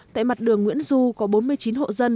tại mặt đường nguyễn du có bốn mươi chín hộ dân